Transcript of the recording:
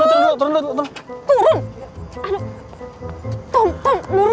hai tolong turun turun turun turun